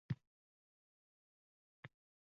Men bir sayyorani bilaman